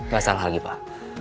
gak salah lagi pak